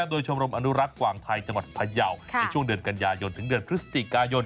โดยชมรมอนุรักษ์กว่างไทยจังหวัดพยาวในช่วงเดือนกันยายนถึงเดือนพฤศจิกายน